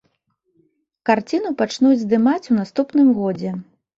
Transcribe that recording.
Карціну пачнуць здымаць у наступным годзе.